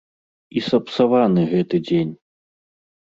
І сапсаваны гэты дзень!